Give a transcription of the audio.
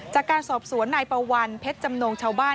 จากการสอบสวนนายปวันเพชรจำนงชาวบ้าน